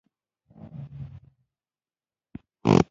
چرګه په خپلو هګیو ناستې وه.